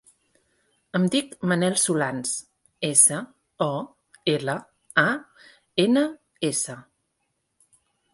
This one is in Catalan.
Em dic Manel Solans: essa, o, ela, a, ena, essa.